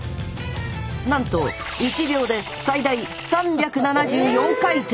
なんと１秒で最大３７４回転！